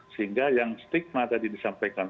sehingga yang stigma tadi disampaikan